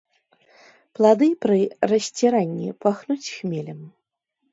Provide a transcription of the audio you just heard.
Плады пры расціранні пахнуць хмелем.